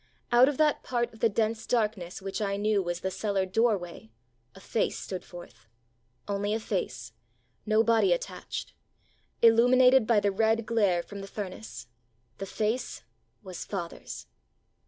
Out of that part of the dense darkness which I knew was the cellar doorway a face stood forth вҖ" only a face, no body at tachedвҖ" illuminated by the red glare from the furnace. The face was father's